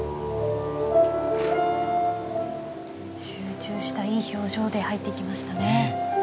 集中したいい表情で入ってきましたね。